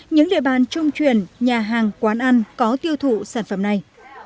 những địa bàn trung truyền nhà hàng quán ăn có tiêu thụ sản phẩm này